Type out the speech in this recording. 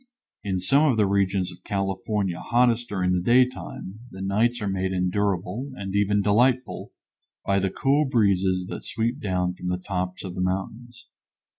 In some of the regions of California hottest during the day time, the nights are made endurable, and even delightful, by the cool breezes that sweep down from the tops of the mountains.